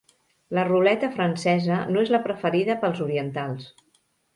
La ruleta francesa no és la preferida pels orientals.